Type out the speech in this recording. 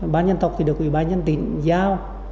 ban nhân tộc thì được ủy ban nhân tịnh giao